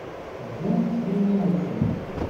Zgan ttɣimin akken.